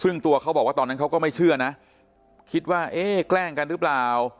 ซึ่งตัวเขาบอกว่าตอนนั้นเขาก็ไม่เชื่อนะคิดว่าเอ๊ะแกล้งกันหรือเปล่า